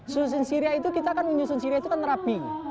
susun syria itu kita kan menyusun syria itu kan rapi